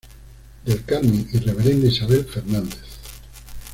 Del Carmen y Reverenda Isabel Fernández.